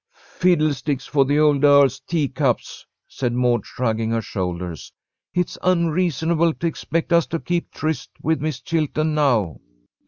'" "Fiddlesticks for the old earl's teacups!" said Maud, shrugging her shoulders. "It's unreasonable to expect us to keep tryst with Miss Chilton now."